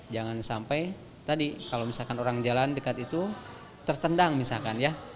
jangan sampai tadi kalau misalkan orang jalan dekat itu tertendang misalkan ya